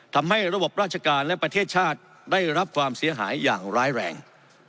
ทำให้ระบบราชการและประเทศชาติได้รับความเสียหายอย่างร้ายแรง